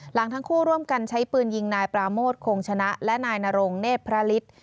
หลังทั้งคู่ร่วมกันใช้ปืนยิงนายปราโมทคงชนะและนายนรงเนธพระฤทธิ์